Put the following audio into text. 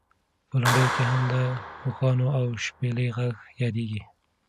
په لنډیو کې هم د اوښانو او شپېلۍ غږ یادېږي.